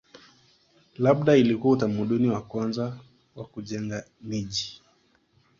Labda ilikuwa utamaduni wa kwanza wa kujenga miji.